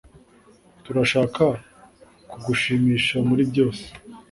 Turashaka kugushimisha muri byose